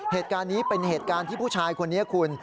เหตุการณ์นี้เป็นเหตุการณ์ที่ผู้ชายคนนี้คุณ